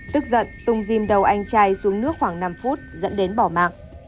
tức giận tùng dìm đầu anh trai xuống nước khoảng năm phút dẫn đến bỏ mạng